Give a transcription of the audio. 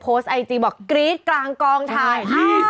โพสต์ไอจีบอกกรี๊ดกลางกองไทย